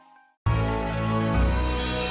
boleh gak pinjem handphonenya suster